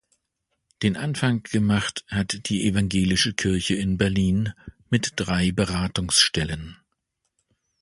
Den Anfang gemacht hat die evangelische Kirche in Berlin mit drei Beratungsstellen.